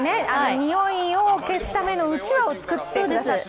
においを消すためのうちわを作ってくださって。